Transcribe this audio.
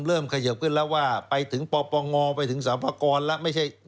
เริ่มขยบขึ้นแล้วว่าไปถึงปปงไปถึงสัมภาคอนแล้ว